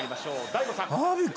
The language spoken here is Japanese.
大悟さん